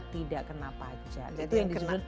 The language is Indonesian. tidak kena pajak itu yang disebut